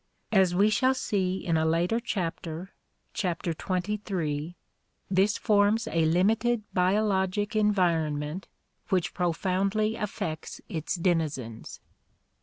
As we shall see in a later chapter (Chapter XXIII) this forms a limited biologic en vironment which profoundly affects its denizens.